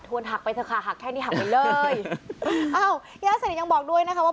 หักไปเถอะค่ะหักแค่นี้หักไปเลยอ้าวย่าสนิทยังบอกด้วยนะคะว่า